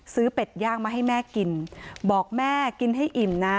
เป็ดย่างมาให้แม่กินบอกแม่กินให้อิ่มนะ